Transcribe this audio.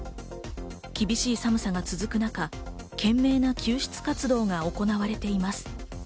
厳しい寒さが続く中、賢明な救出活動が行われています。